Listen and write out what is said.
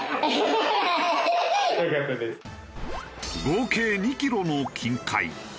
合計２キロの金塊。